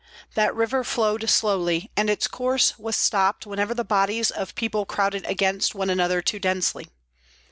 That river flowed slowly, and its course was stopped whenever the bodies of people crowded against one another too densely.